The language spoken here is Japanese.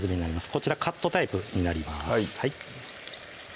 こちらカットタイプになります